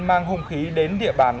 mang hung khí đến địa bàn